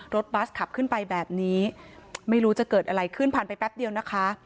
บัสขับขึ้นไปแบบนี้ไม่รู้จะเกิดอะไรขึ้นผ่านไปแป๊บเดียวนะคะ